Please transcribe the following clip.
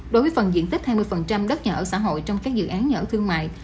đối với phần diện tích hai mươi đất nhà ở xã hội trong các dự án nhà ở thương mại